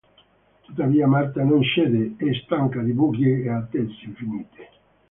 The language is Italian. Tuttavia Marta non cede: è stanca di bugie e attese infinite.